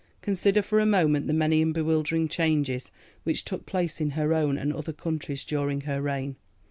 Consider for a moment the many and bewildering changes which took place in her own and other countries during her reign.